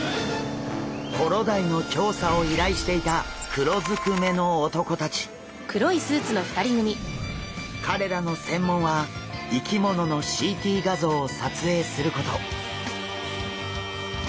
コロダイの調査を依頼していた彼らの専門は生き物のＣＴ画像を撮影すること。